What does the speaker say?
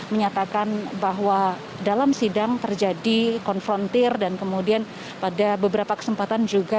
menyatakan bahwa dalam sidang terjadi konfrontir dan kemudian pada beberapa kesempatan juga